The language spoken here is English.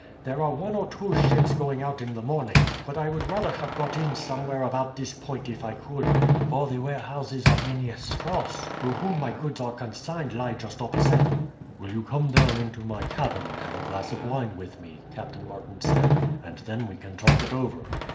There are one or two ships going out in the morning, but I would rather have got in somewhere about this point if I could, for the warehouses of Mynheer Strous, to whom my goods are consigned, lie just opposite." "Will you come down into my cabin and have a glass of wine with me," Captain Martin said, "and then we can talk it over?"